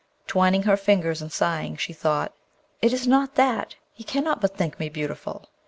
Twining her fingers and sighing, she thought, 'It is not that! he cannot but think me beautiful.'